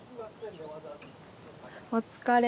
お疲れ。